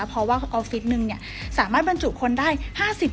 เพราะว่าออฟฟิศนึงเนี้ยสามารถบรรจุคนได้ห้าสิบคน